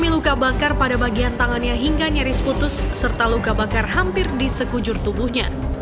luka bakar hampir di sekujur tubuhnya